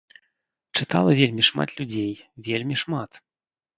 Чытала вельмі шмат людзей, вельмі шмат!